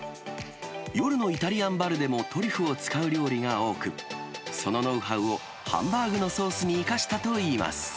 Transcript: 夜のイタリアンバルでもトリュフを使う料理が多く、そのノウハウをハンバーグのソースに生かしたといいます。